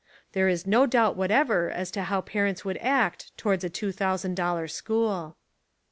There is no doubt whatever as to how par ents would act towards a two thousand dollar school.